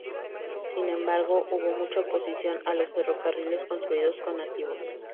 Sin embargo, hubo mucha oposición a los ferrocarriles construidos con nativos.